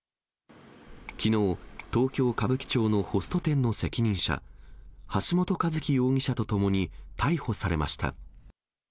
きのう、東京・歌舞伎町のホスト店の責任者、橋本一喜容疑者と共に逮捕されました。